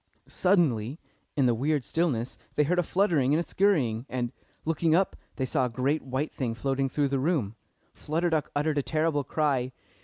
Suddenly, in the weird stillness, they heard a fluttering and a skurrying, and, looking up, they saw a great white thing floating through the room. Flutter Duck uttered a terrible cry.